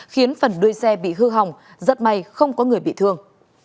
khiến phần đuôi xe bị hư hỏng rất may không có người bị thương